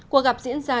cuộc gặp diễn ra